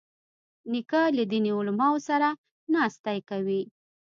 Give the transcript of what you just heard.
نیکه له دیني علماوو سره ناستې کوي.